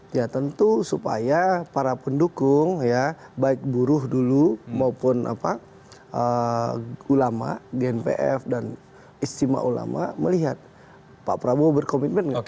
ya tentu supaya para pendukung ya baik buruh dulu maupun ulama gnpf dan istimewa ulama melihat pak prabowo berkomitmen